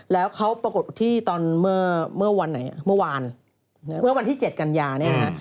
แล้วเขาปรากฏที่เมื่อวันที่๗กันยานี้นะฮะ